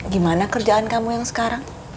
gimana kerjaan kamu yang sekarang